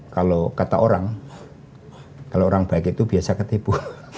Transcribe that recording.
kalau kata orang kalau orang baik itu biasa ketipu